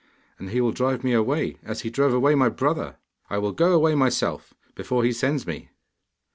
And he will drive me away, as he drove away my brother! I will go away myself, before he sends me.